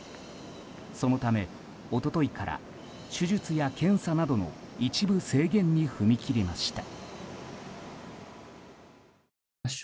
そのため、一昨日から手術や検査などの一部制限に踏み切りました。